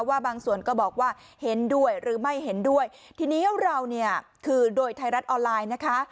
ว่าบางส่วนก็บอกว่าเห็นด้วยหรือไม่เห็นด้วยทีนี้เราเนี่ยคือโดยไทยรัฐออนไลน์นะคะ